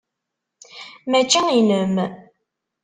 Mačči inem.